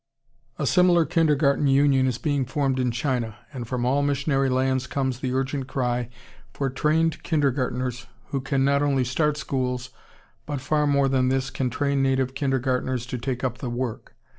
] A similar Kindergarten Union is being formed in China, and from all missionary lands comes the urgent cry for trained kindergartners who can not only start schools, but, far more than this, can train native kindergartners to take up the work.